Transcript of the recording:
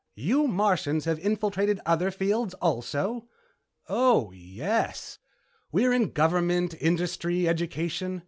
"You Martians have infiltrated other fields also?" "Oh, yes. We are in government, industry, education.